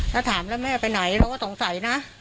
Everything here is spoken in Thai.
ถ้าถามแล้วแม่ไปไหนเราก็สงสัยนะ